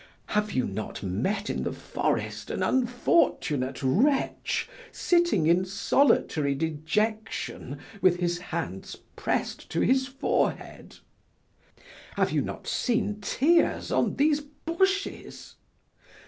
Have you not met in the forest an unfortunate wretch, sitting in solitary dejection with his hands pressed to his forehead? Have you not seen tears on these bushes?